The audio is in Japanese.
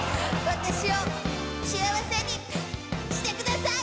私を幸せにしてください！